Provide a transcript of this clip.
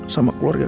sama keluarga kamu